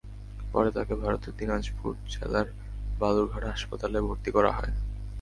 পরে তাঁকে ভারতের দিনাজপুর জেলার বালুর ঘাট হাসপাতালে ভর্তি করা হয়।